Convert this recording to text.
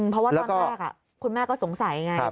เพราะว่าตอนแรกคุณแม่ก็สงสัยไง